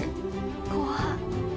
怖っ。